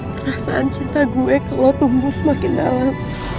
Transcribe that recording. perasaan cinta gue ke lo tumbuh semakin dalam